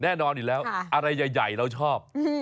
แน่นอนอีกแล้วอะไรใหญ่เราชอบ